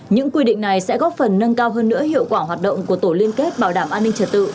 những quy định này sẽ góp phần nâng cao hơn nữa hiệu quả hoạt động của tổ liên kết bảo đảm an ninh trật tự